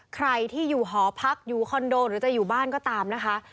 ใครที่อยู่หอพักอยู่คอนโดหรือจะอยู่บ้านก็ตามนะคะ